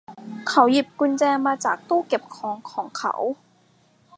เขาหยิบกุญแจมาจากตู้เก็บของของเขา